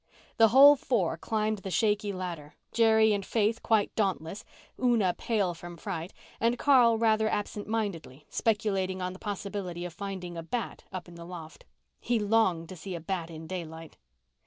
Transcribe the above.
The whole four climbed the shaky ladder, Jerry and Faith quite dauntless, Una pale from fright, and Carl rather absent mindedly speculating on the possibility of finding a bat up in the loft. He longed to see a bat in daylight.